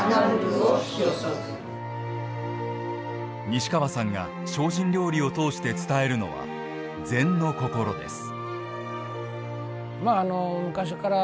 西川さんが精進料理を通して伝えるのは禅のこころです。